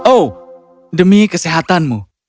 oh ini pertanda tentang kesehatanmu